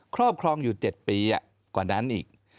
ครอบครองอยู่๗ปีกว่านั้นอีก